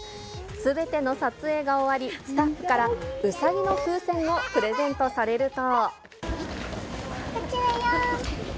すべての撮影が終わり、スタッフからウサギの風船をプレゼントされると。